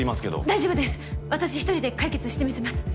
大丈夫です私１人で解決してみせます。